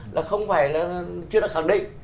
là không phải là chưa được khẳng định